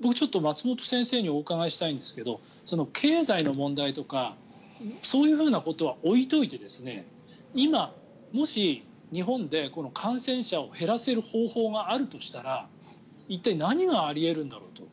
僕、ちょっと松本先生にお伺いしたいんですけど経済の問題とかそういうことは置いておいて今、もし日本で感染者を減らせる方法があるとしたら一体、何があり得るんだろうと。